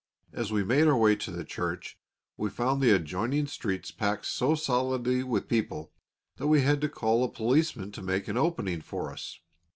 As we made our way to the church, we found the adjoining streets packed so solidly with people that we had to call a policeman to make an opening for us.